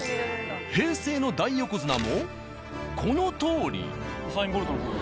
平成の大横綱もこのとおり。